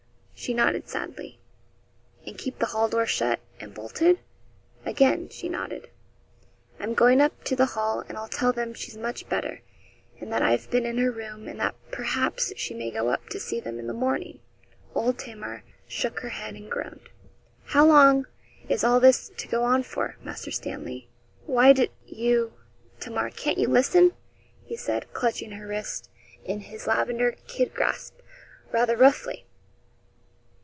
She nodded sadly. 'And keep the hall door shut and bolted?' Again she nodded. 'I'm going up to the Hall, and I'll tell them she's much better, and that I've been in her room, and that, perhaps, she may go up to see them in the morning.' Old Tamar shook her head and groaned. 'How long is all this to go on for, Master Stanley?' 'Why, d you, Tamar, can't you listen?' he said, clutching her wrist in his lavender kid grasp rather roughly.